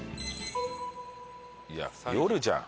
いや夜じゃん！